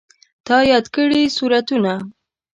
تا یاد کړي سورتونه